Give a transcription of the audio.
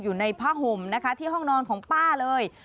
อยู่ในผ้าห่มนะคะที่ห้องนอนของป้าเลย